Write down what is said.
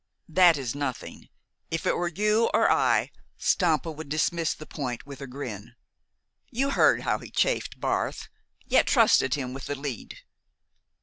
"That is nothing. If it were you or I, Stampa would dismiss the point with a grin. You heard how he chaffed Barth, yet trusted him with the lead?